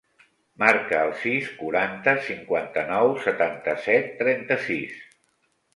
Marca el sis, quaranta, cinquanta-nou, setanta-set, trenta-sis.